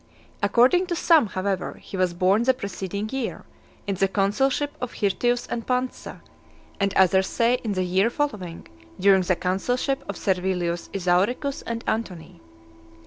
According to some, however, he was born the preceding year, in the consulship of Hirtius and Pansa; and others say, in the year following, during the consulship of Servilius Isauricus and Antony.